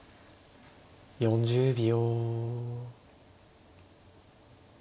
４０秒。